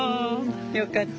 よかった。